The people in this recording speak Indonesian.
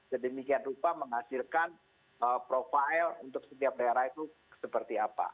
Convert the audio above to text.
sedemikian rupa menghasilkan profile untuk setiap daerah itu seperti apa